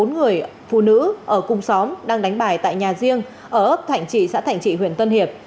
bốn người phụ nữ ở cùng xóm đang đánh bài tại nhà riêng ở ấp thạnh trị xã thạnh trị huyện tân hiệp